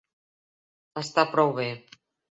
Està prou bé.